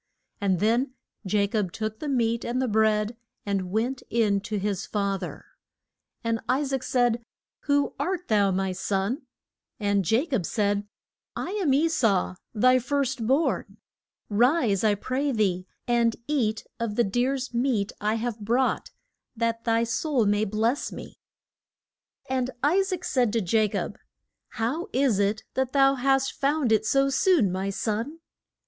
And then Ja cob took the meat and the bread and went in to his fa ther. And I saac said, Who art thou, my son? [Illustration: I SAAC SPEAK ING TO E SAU.] And Ja cob said, I am E sau, thy first born. Rise, I pray thee, and eat of the deer's meat I have brought, that thy soul may bless me. And I saac said to Ja cob, How is it that thou hast found it so soon, my son?